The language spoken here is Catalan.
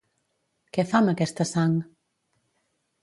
Què fa amb aquesta sang?